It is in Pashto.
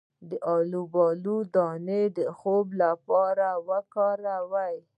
د الوبالو دانه د خوب لپاره وکاروئ